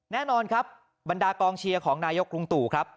แน่นอนครับบรรดากองเชียร์ของนายกรุงตู่ครับ